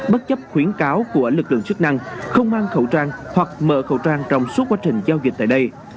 bất chấp khuyến cáo của lực lượng chức năng không mang khẩu trang hoặc mở khẩu trang trong suốt quá trình giao dịch tại đây